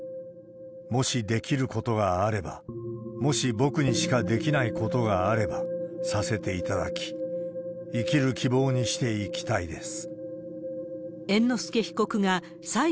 もしできることがあれば、もし僕にしかできないことがあれば、させていただき、生きる希望にしていきたいです。